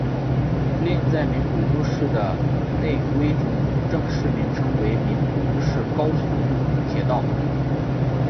另在名古屋市的内规中正式名称为名古屋市高速度铁道。